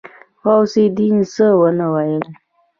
غوث الدين څه ونه ويل.